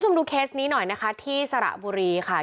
คุณผู้ชมดูเคสนี้หน่อยนะคะที่สระบุรีค่ะ